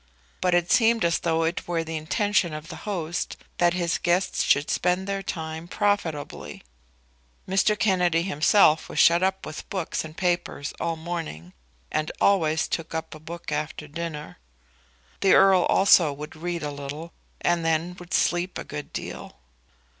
But it seemed as though it were the intention of the host that his guests should spend their time profitably. Mr. Kennedy himself was shut up with books and papers all the morning, and always took up a book after dinner. The Earl also would read a little, and then would sleep a good deal.